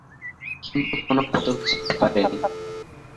কিন্তু কোন পদক জিততে পারেনি।